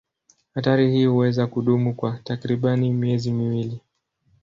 Hatari hii huweza kudumu kwa takriban miezi miwili.